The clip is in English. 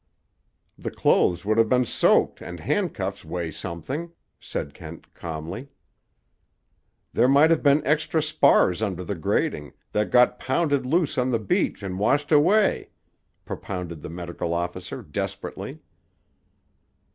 "The clothes would have been soaked, and handcuffs weigh something," said Kent calmly. "There might have been extra spars under the grating, that got pounded loose on the beach and washed away," propounded the medical officer desperately.